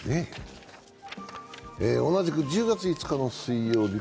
同じく１０月５日の水曜日。